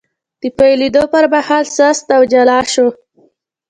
د پیلېدو پر مهال سست او جلا شو،